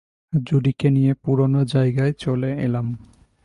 জুডিকে নিয়ে পুরনো জায়গায় চলে এলাম।